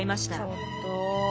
ちょっと。